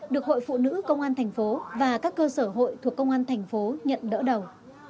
được hội phụ nữ công an thành phố và các cơ sở hội thuộc công an thành phố nhận đỡ đầu